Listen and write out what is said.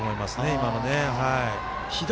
今のね。